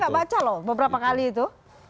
dia enggak baca loh beberapa kali itu